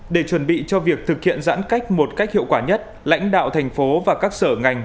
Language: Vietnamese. để chuẩn bị cho việc thực hiện giãn cách một cách hiệu quả nhất lãnh đạo thành phố và các sở ngành